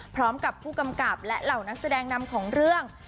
พร้อมกับผู้กำกับและเหล่านักแสดงนำของเรื่อง